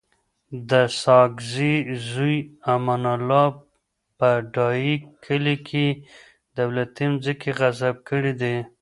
د ساګزی زوی امان الله په ډایی کلی کي دولتي مځکي غصب کړي دي